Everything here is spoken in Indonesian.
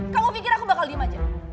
kamu pikir aku bakal diem aja